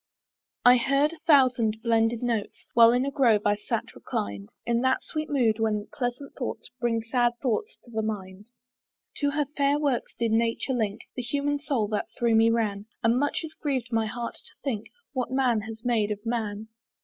I heard a thousand blended notes, While in a grove I sate reclined, In that sweet mood when pleasant thoughts Bring sad thoughts to the mind. To her fair works did nature link The human soul that through me ran; And much it griev'd my heart to think What man has made of man.